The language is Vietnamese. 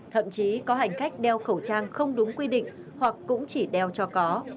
thậm chí có hành khách đeo khẩu trang không đúng quy định hoặc cũng chỉ đeo cho có